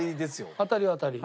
当たり当たり。